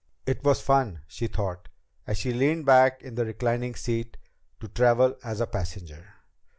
It was fun, she thought, as she leaned back in the reclining seat, to travel as a passenger.